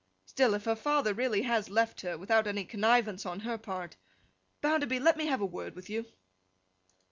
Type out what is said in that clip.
Still, if her father really has left her, without any connivance on her part—Bounderby, let me have a word with you.